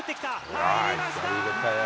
入りました！